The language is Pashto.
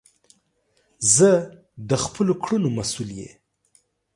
زه د خپلو کړونو مسول یی